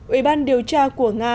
ủy ban điều tra của nga